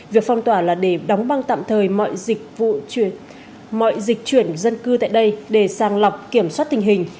việc phong tỏa là để đóng băng tạm thời mọi dịch chuyển dân cư tại đây để sàng lọc kiểm soát tình hình